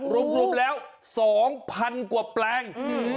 รวมแล้ว๒๐๐๐กว่าแปลง